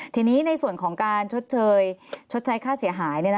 ทีนี้ในส่วนของการชดใช้ค่าเสียหาย